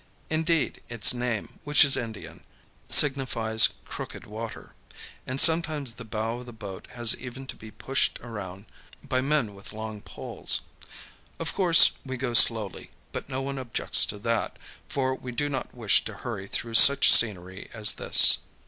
Indeed, its name, which is Indian, signifies "crooked water"; and sometimes the bow of the boat has even to be pushed around by men with long poles. Of course[Pg 118] we go slowly, but no one objects to that, for we do not wish to hurry through such scenery as this.